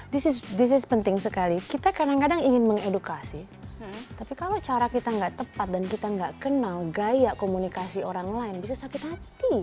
this is this is penting sekali kita kadang kadang ingin mengedukasi tapi kalau cara kita nggak tepat dan kita nggak kenal gaya komunikasi orang lain bisa sakit hati